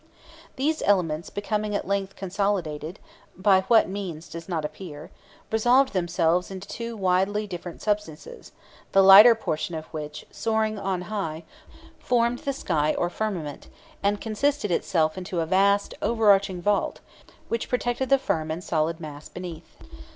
These elements becoming at length consolidated (by what means does not appear), resolved themselves into two widely different substances, the lighter portion of which, soaring on high, formed the sky or firmament, and constituted itself into a vast, overarching vault, which protected the firm and solid mass beneath.